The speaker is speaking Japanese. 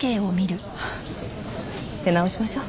出直しましょう。